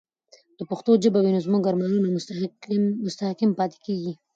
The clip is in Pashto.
که پښتو ژبه وي، نو زموږ ارمانونه مستحکم پاتې کیږي.